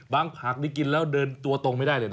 ผักนี่กินแล้วเดินตัวตรงไม่ได้เลยนะ